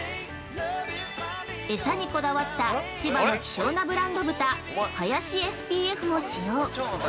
餌にこだわった千葉の希少なブランド豚「林ＳＰＦ」を使用。